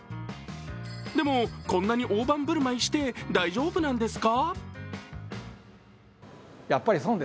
でもこんなに大盤振る舞いして大丈夫なんですか。